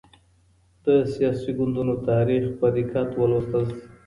د سياسي ګوندونو تاريخ بايد په دقت ولوستل سي.